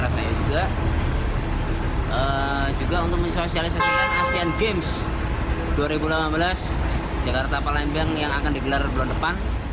tujuannya pertama adalah mempromosikan indonesia